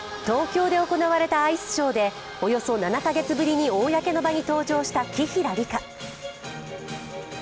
東京で行われたアイスショーでおよそ７カ月ぶりに公の場に登場した紀平梨花。